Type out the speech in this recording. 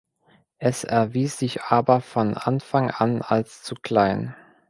Es erwies sich aber von Anfang an als zu klein.